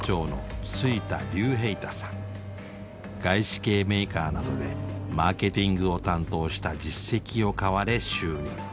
外資系メーカーなどでマーケティングを担当した実績を買われ就任。